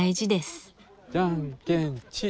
じゃんけんチー！